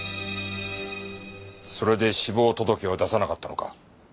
それで死亡届を出さなかったのか？